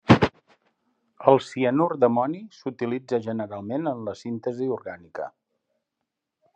El cianur d'amoni s'utilitza generalment en la síntesi orgànica.